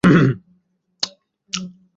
তার সঙ্গে তোমার সম্পর্ক নেই।